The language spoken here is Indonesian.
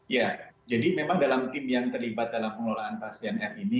ya jadi memang dalam tim yang terlibat dalam pengelolaan pasien f ini